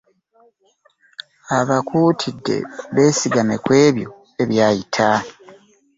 Abakuutidde beesigame ku ebyo ebyayita.